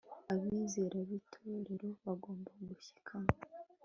Abizera bitorero bagomba gushikama